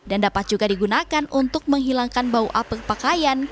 dan dapat juga digunakan untuk menghilangkan bau apel pakaian